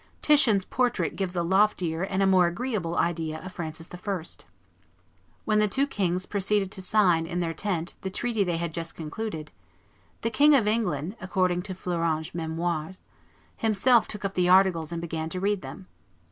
Titian's portrait gives a loftier and more agreeable idea of Francis I. When the two kings proceeded to sign, in their tent, the treaty they had just concluded, "the King of England," according to Fleuranges' Memoires, "himself took up the articles and began to read them.